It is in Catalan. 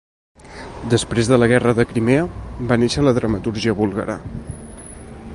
Després de la Guerra de Crimea, va néixer la dramatúrgia búlgara.